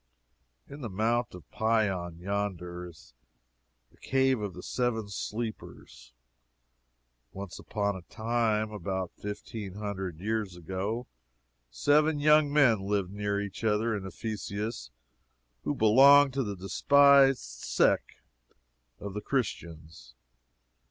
In the Mount of Pion, yonder, is the Cave of the Seven Sleepers. Once upon a time, about fifteen hundred years ago, seven young men lived near each other in Ephesus, who belonged to the despised sect of the Christians.